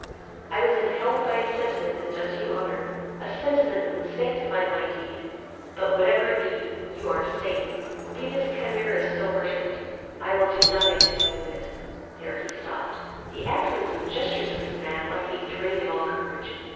I was impelled by a sentiment that does you honor; a sentiment, that would sanctify my deed; but, whatever it be, you are safe. Be this chimera still worshipped; I will do nothing to pollute it." There he stopped. The accents and gestures of this man left me drained of all courage.